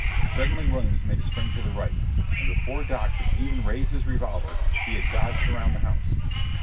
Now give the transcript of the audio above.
Suddenly Williams made a spring to the right, and before Doc could even raise his revolver, he had dodged around the house.